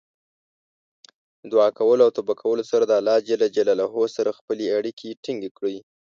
د دعا کولو او توبه کولو سره د الله سره خپلې اړیکې ټینګې کړئ.